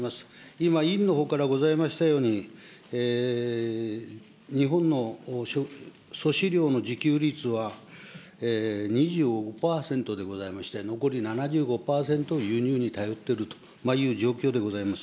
今、委員のほうからございましたように、日本の粗飼料の自給率は２５％でございまして、残り７５％を輸入に頼っておるという状況でございます。